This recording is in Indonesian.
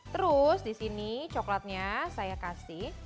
terus disini coklatnya saya kasih